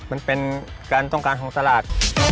มันเป็นการต้องการของตลาด